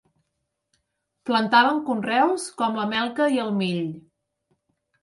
Plantaven conreus com la melca i el mill.